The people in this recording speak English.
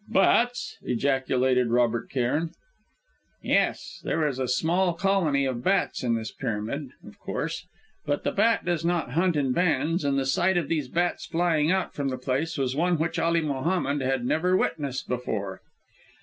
"Bats!" ejaculated Robert Cairn. "Yes. There is a small colony of bats in this pyramid, of course; but the bat does not hunt in bands, and the sight of these bats flying out from the place was one which Ali Mohammed had never witnessed before.